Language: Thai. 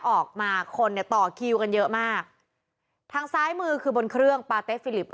ออกมาคนเนี่ยต่อคิวกันเยอะมากทางซ้ายมือคือบนเครื่องปาเต๊ฟิลิป